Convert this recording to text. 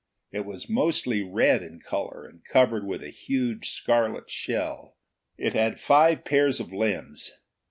It was mostly red in color, and covered with a huge scarlet shell. It had five pairs of limbs.